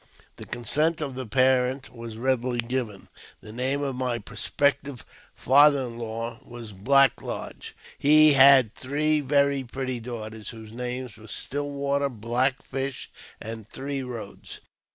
The consent of the parent was readily given. The name of my prospective father in law was Black lodge. He had three very pretty daughters, whose names were Still water, Black fish, and Three roads.